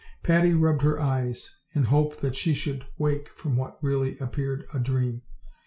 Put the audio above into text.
Patty rubbed her eyes, in hopes that she should wake from what really appeared a dream.